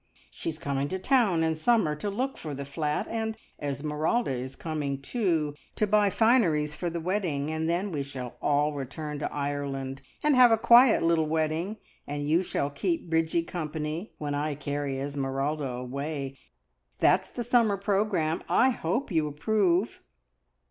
She is coming to town in summer to look for the flat, and Esmeralda is coming too, to buy fineries for the wedding, and then we will all return to Ireland and have a quiet little wedding, and you shall keep Bridgie company when I carry Esmeralda away. That's the summer programme. I hope you approve!"